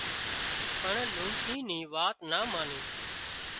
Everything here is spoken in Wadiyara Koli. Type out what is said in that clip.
پڻ لونڪي نِي وات نا ماني